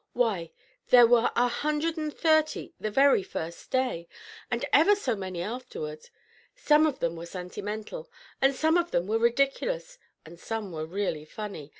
Why, there were a hundred and thirty the very first day, and ever so many afterward. Some of them were sentimental, and some of them were ridiculous, and some were really funny.